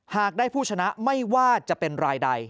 หากได้ผู้ชนะไม่ว่าจะเป็นรายใด